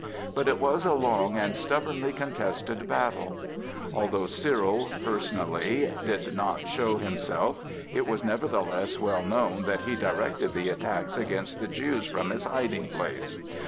But it was a long and stubbornly contested battle. Although Cyril personally did not show himself, it was nevertheless well known that he directed the attacks against the Jews from his hiding place.